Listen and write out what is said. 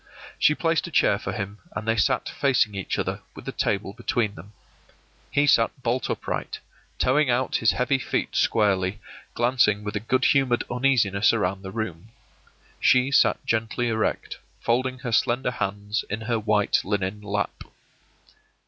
She placed a chair for him, and they sat facing each other, with the table between them. He sat bolt upright, toeing out his heavy feet squarely, glancing with a good humored uneasiness around the room. She sat gently erect, folding her slender hands in her white linen lap.